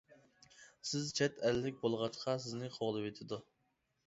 سىز چەت ئەللىك بولغاچقا سىزنى قوغلىۋېتىدۇ.